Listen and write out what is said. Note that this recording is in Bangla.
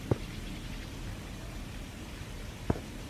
আমরা যেখানে যাচ্ছি সেখানে আমি তার ক্ষতের চিকিৎসা করতে পারবো।